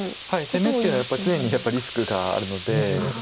攻めっていうのは常にやっぱりリスクがあるので。